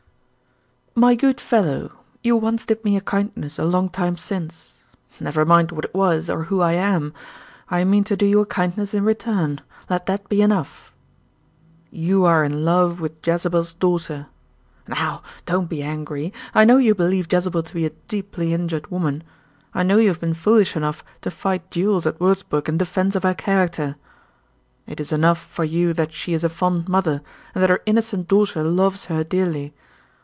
"My good fellow, you once did me a kindness a long time since. Never mind what it was or who I am. I mean to do you a kindness in return. Let that be enough. "You are in love with 'Jezebel's Daughter.' Now, don't be angry! I know you believe Jezebel to be a deeply injured woman; I know you have been foolish enough to fight duels at Wurzburg in defense of her character. "It is enough for you that she is a fond mother, and that her innocent daughter loves her dearly.